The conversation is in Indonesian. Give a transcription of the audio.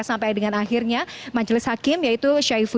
sampai dengan akhirnya majelis hakim yaitu syaiful